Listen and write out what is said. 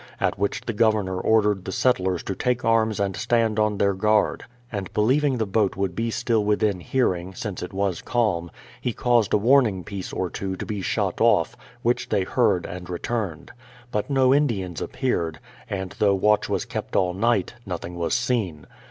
At which the Governor ordered the settlers to take arms and stand on their guard ; and believing the boat would be still within hearing, since it was calm, he caused a warning piece or two to be shot off, which they heard and returned. But no Indians appeared, and though watch was kept all night, nothing was seen.